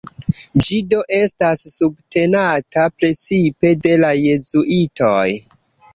Ĝi do estas subtenata precipe de la Jezuitoj.